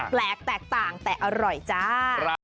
แปลกแตกต่างแต่อร่อยจ้า